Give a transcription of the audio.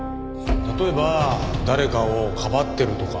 例えば誰かをかばってるとか。